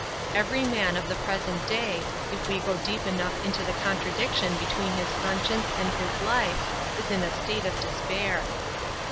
Every man of the present day, if we go deep enough into the contradiction between his conscience and his life, is in a state of despair.